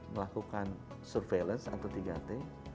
melakukan surveillance atau tiga t